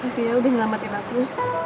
makasih ya udah ngelamatin aku